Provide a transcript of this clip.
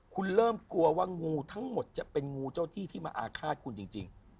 คุณเริ่มกลัวว่างูทั้งหมดจะเป็นงูเจ้าที่ที่มาอาฆาตคุณจริง